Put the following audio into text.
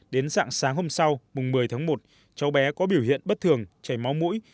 đến dạng sáng hôm sau mùng một mươi tháng một cháu bé có biểu hiện bất thường chảy máu mũi